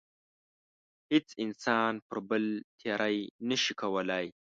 هیڅ انسان پر بل تېرۍ نشي کولای.